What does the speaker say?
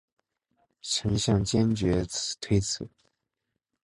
陈顼坚决推辞。